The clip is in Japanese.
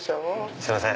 すいません。